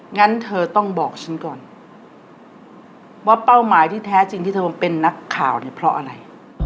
งั้นเธอต้องบอกฉันก่อนว่าเป้าหมายที่แท้จริงที่เธอเป็นนักข่าวเนี่ยเพราะอะไร